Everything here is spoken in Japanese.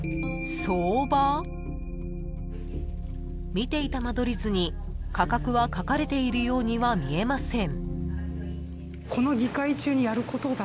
［見ていた間取り図に価格は書かれているようには見えません］